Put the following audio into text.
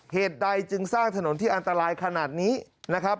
เหตุใดจึงสร้างถนนที่อันตรายขนาดนี้นะครับ